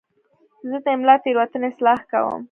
زه د املا تېروتنې اصلاح کوم.